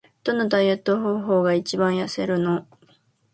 どのダイエット方法が一番痩せるの？